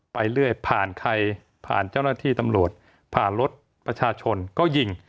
ไปเรื่อยผ่านใครผ่านเจ้าหน้าที่ตำรวจผ่านรถประชาชนก็ยิง